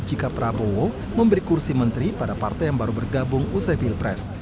jika prabowo memberi kursi menteri pada partai yang baru bergabung usai pilpres